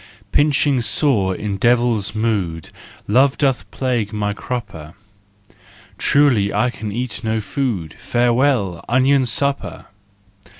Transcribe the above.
Pinching sore, in devil's mood, Love doth plague my crupper : Truly I can eat no food: Farewell, onion supper!